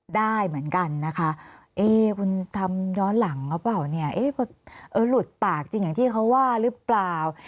ได้เหมือนกันนะคะเอ๊คุณทำย้อนหลังหรือเปล่าเนี่ยหลุดปากจริงอย่างที่เขาว่าหรือเปล่า